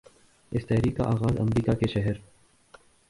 اس تحریک کا آغاز امریکہ کہ شہر